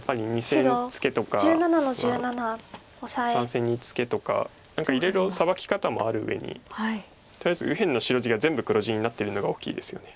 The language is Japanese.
３線にツケとか何かいろいろサバキ方もあるうえにとりあえず右辺の白地が全部黒地になってるのが大きいですよね。